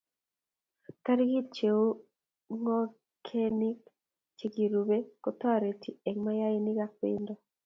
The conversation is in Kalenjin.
toritik cheuu ngokenik chekiribei kotoretuu en mayaik ak bentoo